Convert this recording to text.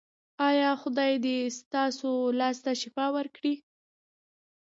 ایا خدای دې ستاسو لاس ته شفا ورکړي؟